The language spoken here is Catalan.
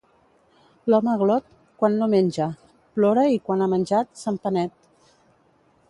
L'home glot, quan no menja, plora i quan ha menjat, se'n penet.